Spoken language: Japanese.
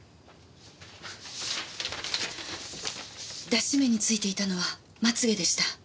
脱脂綿についていたのはまつ毛でした。